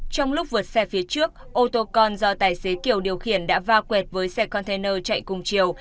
trong lúc vượt xe phía trước ô tô con do tài xế kiều điều khiển đã va quẹt với xe container chạy cùng chiều